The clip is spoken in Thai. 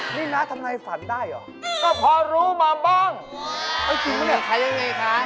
นี่น้าทำอะไรฝันได้หรือ